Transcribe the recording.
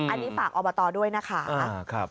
อันนี้ฝากอบตด้วยนะคะ